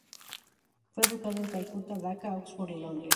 Fue educado en Calcuta, Daca, Oxford y Londres.